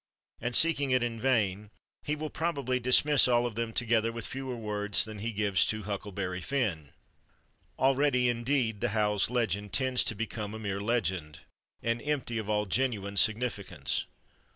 And seeking it in vain, he will probably dismiss all of them together with fewer words than he gives to "Huckleberry Finn." ... Already, indeed, the Howells legend tends to become a mere legend, and empty of all genuine significance.